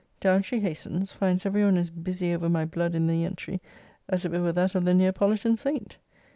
Down she hastens; finds every one as busy over my blood in the entry, as if it were that of the Neapolitan saint.